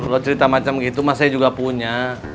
kalau cerita macam gitu mas saya juga punya